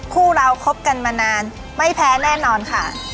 คู่เราคบกันมานานไม่แพ้แน่นอนค่ะ